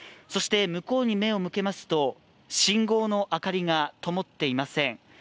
向こうに目を向けますと信号の明かりがともっていません。